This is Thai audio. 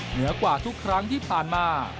เหนือกว่าทุกครั้งที่ผ่านมา